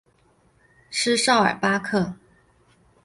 斯绍尔巴克。